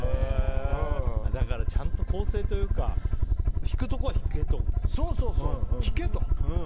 ちゃんと構成というか引くところは引けと。